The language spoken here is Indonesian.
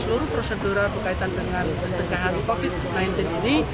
seluruh prosedur berkaitan dengan pencegahan covid sembilan belas ini